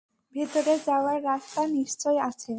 ভেতরে যাওয়ার রাস্তা নিশ্চয় আছে।